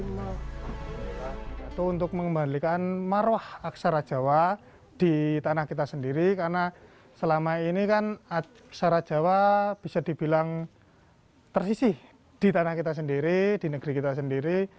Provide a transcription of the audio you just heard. itu untuk mengembalikan marwah aksara jawa di tanah kita sendiri karena selama ini kan aksara jawa bisa dibilang tersisih di tanah kita sendiri di negeri kita sendiri